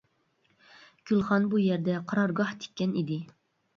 گۈلخان بۇ يەردە قارارگاھ تىككەن ئىدى.